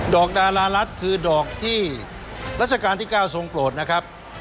ดารารัฐคือดอกที่รัชกาลที่๙ทรงโปรดนะครับ